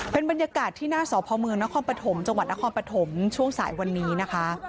เป็นบรรยากาศที่หน้าสพนนปฐมจนปฐมช่วงสายวันนี้นะคะ